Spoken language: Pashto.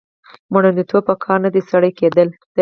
مړوندونه په کار نه ستړي کېدل